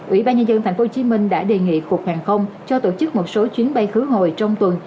ủy ban nhân dân tp hcm đã đề nghị cục hàng không cho tổ chức một số chuyến bay khứ hồi trong tuần